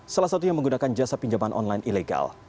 salah satunya menggunakan jasa pinjaman online ilegal